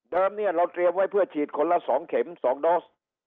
เดิมเนี่ยเราเตรียมไว้เผื่อฉีดคนละ๒เข็ม๒โดส